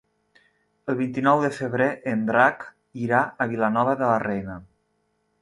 El vint-i-nou de febrer en Drac irà a Vilanova de la Reina.